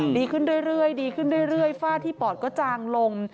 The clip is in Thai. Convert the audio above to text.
ดีขึ้นเรื่อยฝ้าที่ปอดก็จางลง